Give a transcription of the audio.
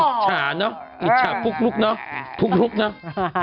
อิจฉาเนาะอิจฉาพุกลุกเนาะพุกลุกเนาะ